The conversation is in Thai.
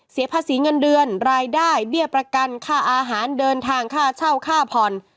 เสียภาษีเงินเดือนรายได้เบี้ยประกันค่าอาหารเดินทางค่าเช่าค่าผ่อน